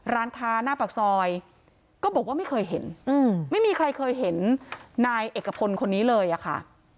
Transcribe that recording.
ร้านค้าหน้าปากซอยก็บอกว่าไม่เคยเห็นไม่มีใครเคยเห็นนายเอกพลคนนี้เลยอะค่ะ